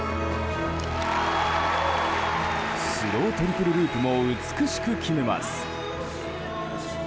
スロートリプルループも美しく決めます。